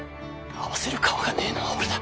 合わせる顔がねぇのは俺だ。